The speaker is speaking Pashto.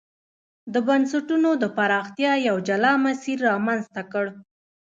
د بنسټونو د پراختیا یو جلا مسیر رامنځته کړ.